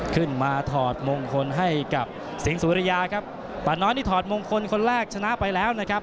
ถอดมงคลให้กับสิงหุริยาครับป่าน้อยนี่ถอดมงคลคนแรกชนะไปแล้วนะครับ